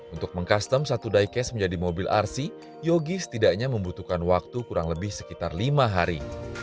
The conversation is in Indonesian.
untuk meng custom satu diecast menjadi mobil rc yogi setidaknya membutuhkan waktu kurang lebih sekitar lima hari